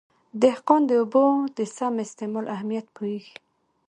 دهقان د اوبو د سم استعمال اهمیت پوهېږي.